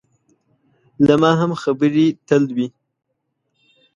له ما هم خبرې تل وي.